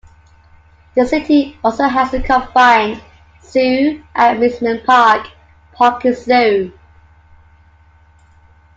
The city also has a combined zoo and amusement park - Parken Zoo.